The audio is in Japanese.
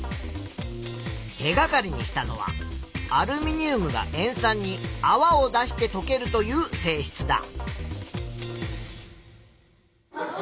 手がかりにしたのはアルミニウムが塩酸にあわを出してとけるという性質だ。